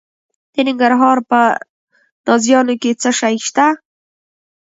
د ننګرهار په نازیانو کې څه شی شته؟